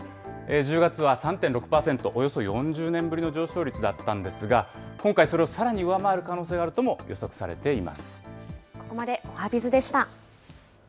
１０月は３．６％、およそ４０年ぶりの上昇率だったんですが、今回、それをさらに上回る可能性があるとも予測されています。